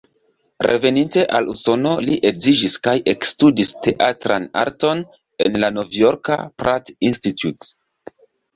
Reveninte al Usono li edziĝis kaj ekstudis teatran arton en la Novjorka "Pratt Institute".